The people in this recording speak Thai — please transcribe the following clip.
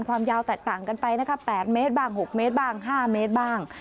ความยาวแตกต่างกันไปนะคะ๘เมตรบ้าง๖เมตรบ้าง๕เมตรบ้าง